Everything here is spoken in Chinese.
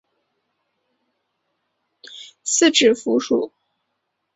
四指蝠属。